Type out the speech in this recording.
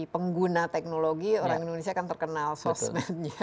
dari pengguna teknologi orang indonesia kan terkenal sosmed nya